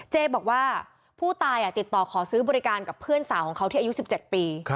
บอกว่าผู้ตายติดต่อขอซื้อบริการกับเพื่อนสาวของเขาที่อายุ๑๗ปี